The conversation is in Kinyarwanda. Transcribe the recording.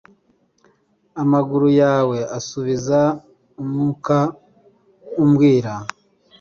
amaguru yawe asubiza umwuka umbwira